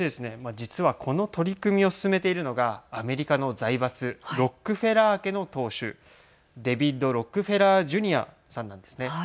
実は、この取り組みを進めているのがアメリカの財閥ロックフェラー家の当主デビッド・ロックフェラー・ジュニアさんなんですね。